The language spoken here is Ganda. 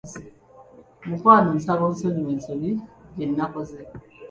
Mukwano nsaba onsonyiwe ensobi gye nakoze.